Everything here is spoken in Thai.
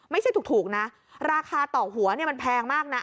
ไม่ใช่ถูกนะราคาต่อหัวเนี่ยมันแพงมากนะ